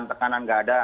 tekanan nggak ada